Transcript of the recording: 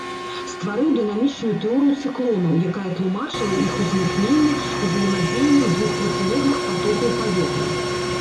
Стварыў дынамічную тэорыю цыклонаў, якая тлумачыла іх ўзнікненне узаемадзеяннем двух процілеглых патокаў паветра.